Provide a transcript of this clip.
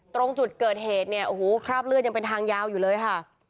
ตรงจุดเกิดเหตุเนี่ยโอ้โหคราบเลือดยังเป็นทางยาวอยู่เลยค่ะ